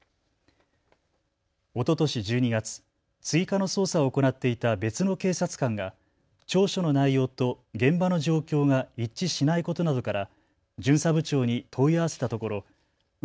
おととし１２月、追加の捜査を行っていた別の警察官が調書の内容と現場の状況が一致しないことなどから巡査部長に問い合わせたところう